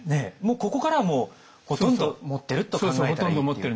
ここからはもうほとんど持ってると考えたらいいっていう。